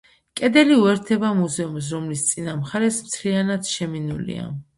კედელი უერთდება მუზეუმს, რომლის წინა მხარე მთლიანად შემინულია.